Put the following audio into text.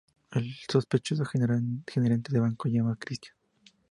El sospechoso gerente de banco llama a Christian.